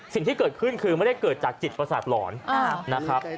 สิ่งที่เกิดขึ้นคือไม่ได้เกิดจากจิตประสาทหลอนนะครับ